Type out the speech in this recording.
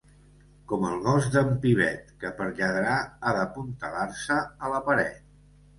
Com el gos d'en Pivet, que per lladrar ha d'apuntalar-se a la paret.